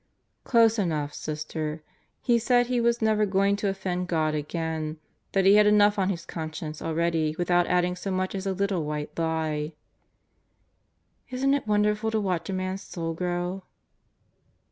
"Close enough, Sister. He said he was never going to offend God again; that he had enough on his conscience already without adding so much as a little white lie." "Isn't it wonderful to watch a man's soul grow!"